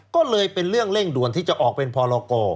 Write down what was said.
ก็เลยเป็นเรื่องเร่งด่วนที่จะออกเป็นพรกร